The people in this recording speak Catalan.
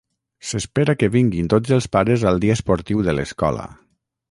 S'espera que vinguin tots els pares al dia esportiu de l'escola.